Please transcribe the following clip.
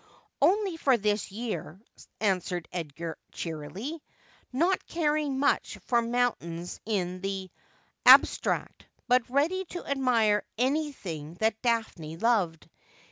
' Only for this year,' answered Edgar cheerily, not caring much for mountains in the abstract, but ready to admire any thing that Daphne loved.